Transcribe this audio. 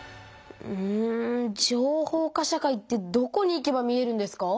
うん情報化社会ってどこに行けば見えるんですか？